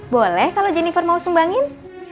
boleh kalau jennifer mau sumbangin